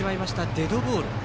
デッドボール。